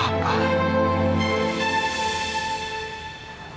aku ingin membalas semua kebaikan papa